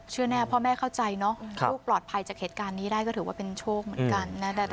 แน่พ่อแม่เข้าใจเนอะลูกปลอดภัยจากเหตุการณ์นี้ได้ก็ถือว่าเป็นโชคเหมือนกันนะ